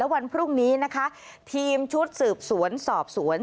วันพรุ่งนี้นะคะทีมชุดสืบสวนสอบสวน